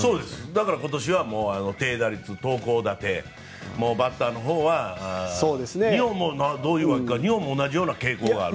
だから今年は低打率、投高打低バッターのほうは日本もどういうわけか同じような傾向がある。